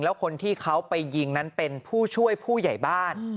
แล้วคนที่เขาไปยิงนั้นเป็นผู้ช่วยผู้ใหญ่บ้าน